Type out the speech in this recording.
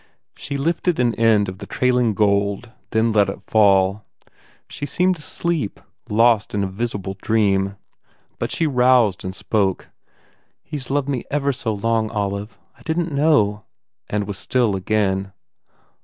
She lifted an end of the trailing gold, then let it fall. She seemed asleep, lost in a visible dream. But she roused and spoke, "He s loved me ever so long, Olive. I didn t know ..." and was still again.